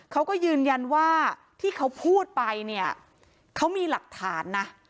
เขาก็ยืนยันว่าที่เขาพูดไปเนี่ยเขามีหลักฐานนะ